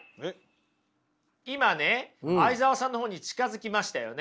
今ね相澤さんの方に近づきましたよね。